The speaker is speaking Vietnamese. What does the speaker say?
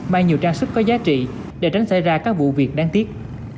mang nhiều trang sức có giá trị để tránh xảy ra các vụ việc đáng tiếc